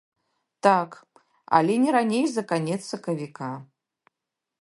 Так, але не раней за канец сакавіка.